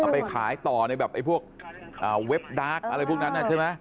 ไปขายต่อในแบบไอ้พวกเว็บดาร์กอะไรพวกนั้นใช่ไหม